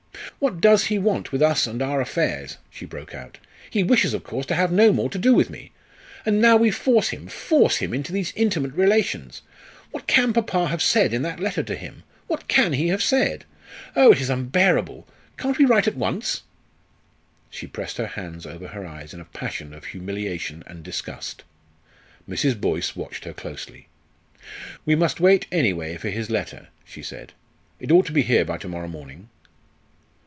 "What does he want with us and our affairs?" she broke out. "He wishes, of course, to have no more to do with me. And now we force him force him into these intimate relations. What can papa have said in that letter to him? What can he have said? Oh! it is unbearable! Can't we write at once?" She pressed her hands over her eyes in a passion of humiliation and disgust. Mrs. Boyce watched her closely. "We must wait, anyway, for his letter," she said. "It ought to be here by to morrow morning."